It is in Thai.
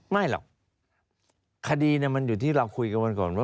ไม่หรอกคดีมันอยู่ที่เราคุยกันวันก่อนว่า